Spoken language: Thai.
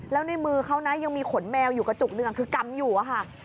แล้วในมือเขานะยังมีขนแมวอยู่กระจุกหนึ่งคือกำอยู่อะค่ะ